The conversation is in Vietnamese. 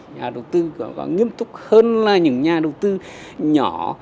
nhà đầu tư có nghiêm túc hơn là những nhà đầu tư nhỏ